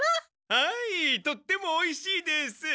はいとってもおいしいです。